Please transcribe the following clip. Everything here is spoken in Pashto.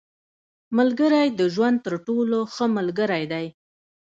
• ملګری د ژوند تر ټولو ښه ملګری دی.